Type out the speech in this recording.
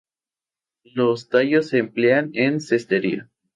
Los tallos se emplean en cestería.